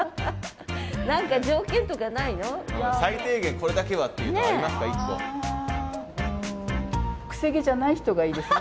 最低限これだけはっていうのありますか？